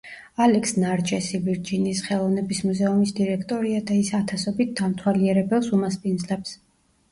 ალექს ნარჯესი ვირჯინიის ხელოვნების მუზეუმის დირექტორია და ის ათასობით დამთვალიერებელს უმასპინძლებს.